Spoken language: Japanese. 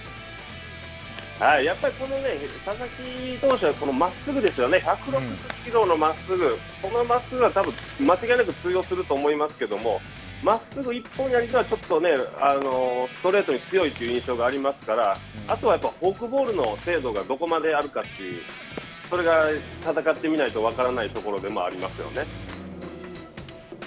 やっぱりこの佐々木投手は真っすぐですよね、１６０キロのまっすぐ、このまっすぐはたぶん、間違いなく通用すると思いますけれども、まっすぐ１本やりでは、ちょっとね、ストレートに強いという印象がありますから、あとはやっぱり、フォークボールの精度がどこまであるかという、それが戦ってみないと分からないところでもありますよね。